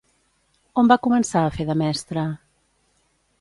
On va començar a fer de mestra?